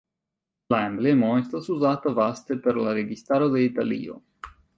La emblemo estas uzata vaste per la registaro de Italio.